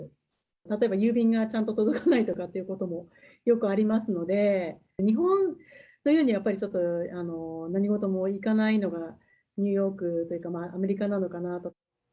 例えば郵便がちゃんと届かないっていうこともよくありますので、日本のようにやっぱりちょっと、何事もいかないのが、ニューヨークというか、アメリカなのかなと。